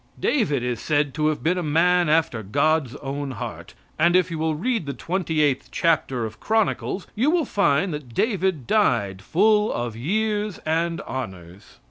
David is said to have been a man after God's own heart, and if you will read the twenty eighth chapter of Chronicles you will find that David died full of years and honors.